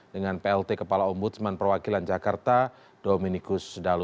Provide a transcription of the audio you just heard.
dengan plt kepala om budsman perwakilan jakarta dominikus dalu